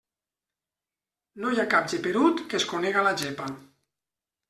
No hi ha cap geperut que es conega la gepa.